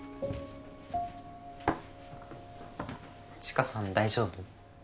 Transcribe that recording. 知花さん大丈夫？